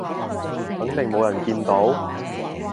肯定冇人見到？